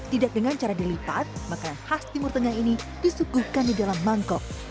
tidak dengan cara dilipat makanan khas timur tengah ini disuguhkan di dalam mangkok